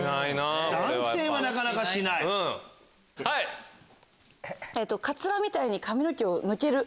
はい！